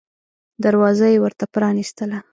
دروازه یې ورته پرانیستله.